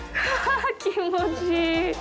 気持ちいい。